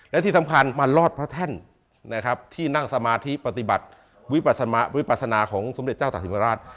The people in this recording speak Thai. และที่สำคัญมาลอดพระแท่นที่นั่งสมาธิปฏิบัติวิปัสนาของสมเด็จเจ้าตากศิลป์มหาราช